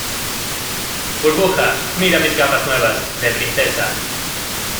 burbuja, mira mis gafas nuevas , de princesa.